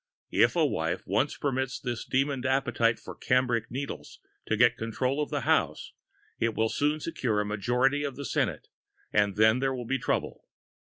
If a wife once permits this demon appetite for cambric needles to get control of the house, it will soon secure a majority in the senate, and then there will be trouble.